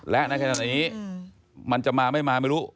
และในขณะนี้มันจะมาไม่มาไม่รู้